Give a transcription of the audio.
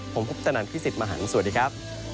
ผมพุทธนันพี่สิทธิ์มหันฯสวัสดีครับ